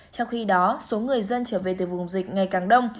trong khi đó số người dân trở về từ vùng dịch ngày càng đông